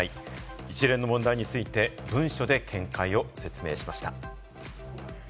一連の問題について文書で見解を説明しました。